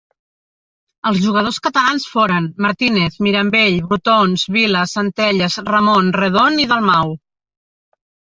Els jugadors catalans foren Martínez, Mirambell, Brotons, Vila, Centelles, Ramon, Redon i Dalmau.